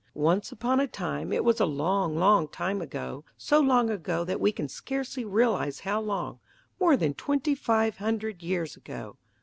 Once upon a time, it was a long, long time ago, so long ago that we can scarcely realize how long, more than twenty five hundred years ago.